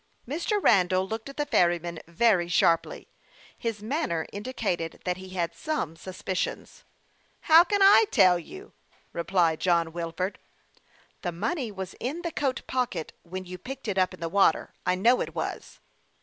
Mr. Randall looked at the ferryman very sharp ly. His manner indicated that he had some sus picions. " How can I tell you ?" replied John Wilford. " The money was in the coat pocket when you picked it up in the water I know it was."